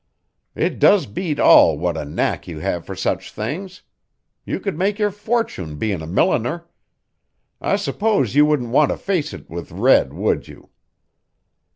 It does beat all what a knack you have for such things. You could make your fortune bein' a milliner. I s'pose you wouldn't want to face it in with red, would you?